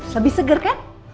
lebih segar kan